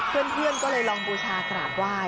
เพื่อนก็เลยลองบูชากราบไหว้